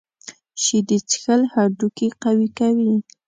شیدې څښل هډوکي قوي کوي.